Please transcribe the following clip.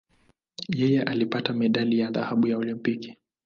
Yeye alipata medali ya dhahabu ya Olimpiki.